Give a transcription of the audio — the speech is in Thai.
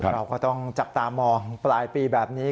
เราก็ต้องจับตามองปลายปีแบบนี้